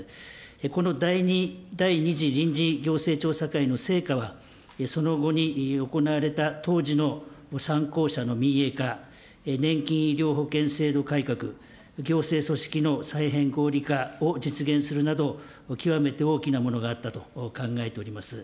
この第２次臨時行政調査会の成果は、その後に行われた当時の３公社の民営化、年金医療保険制度改革、行政組織の再編・合理化を実現するなど、極めて大きなものがあったと考えております。